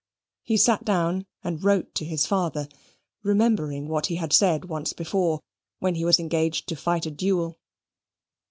He sate down and wrote to his father, remembering what he had said once before, when he was engaged to fight a duel.